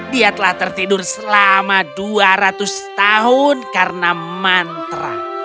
dia telah tertidur selama dua ratus tahun karena mantra